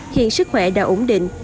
hiện sức khỏe đã ổn định